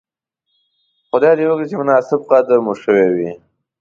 خدای دې وکړي چې مناسب قدر مو شوی وی.